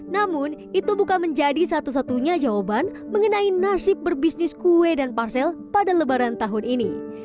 namun itu bukan menjadi satu satunya jawaban mengenai nasib berbisnis kue dan parsel pada lebaran tahun ini